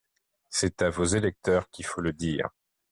C’est à vos électeurs qu’il faut le dire